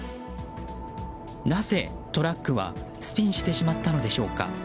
なぜ、トラックはスピンしてしまったのでしょうか。